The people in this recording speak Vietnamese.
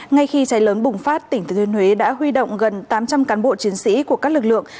ngay khi cháy lớn bùng phát tỉnh thừa thiên huế đã huy động gần tám trăm linh cán bộ chiến sĩ của các lực lượng